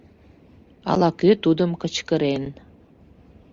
— ала-кӧ тудым кычкырен.